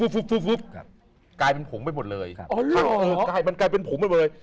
ฟวับกลายเป็นผงไปหมดเลยเออเหรอมันกลายเป็นผงไปหมดเลย